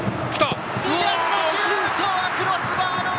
右足のシュートはクロスバーの上！